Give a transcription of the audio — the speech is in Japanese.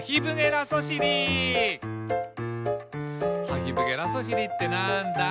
「ハヒブゲラソシリってなんだ？」